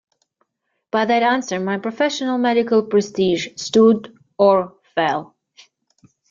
By that answer my professional medical prestige stood or fell.